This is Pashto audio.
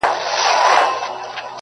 چي هغوی پخپلو حقوقو نه پوهيږي